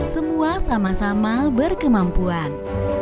semua sama sama berkemampuan